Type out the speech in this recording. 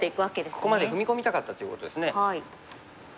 ここまで踏み込みたかったということですね。